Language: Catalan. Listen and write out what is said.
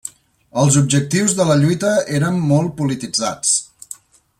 Els objectius de la lluita eren molt polititzats.